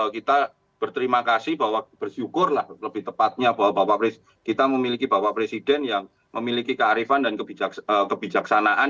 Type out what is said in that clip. kita berterima kasih bahwa bersyukur lah lebih tepatnya bahwa kita memiliki bapak presiden yang memiliki kearifan dan kebijaksanaan